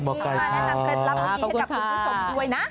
มาแนะนำเคล็ดลับดีให้กับคุณผู้ชมด้วยนะ